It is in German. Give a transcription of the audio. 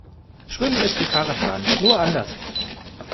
Schwimmen ist wie Fahrradfahren, nur anders.